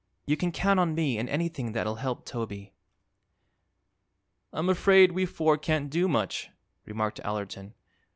"You can count on me in anything that'll help Toby." "I'm afraid we four can't do much," remarked Allerton.